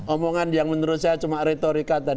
omongan yang menurut saya cuma retorika